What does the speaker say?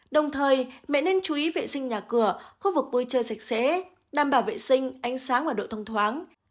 đồng thời mẹ nên chú ý vệ sinh nhà cửa khu vực vui chơi sạch sẽ đảm bảo vệ sinh ánh sáng và độ thông thoáng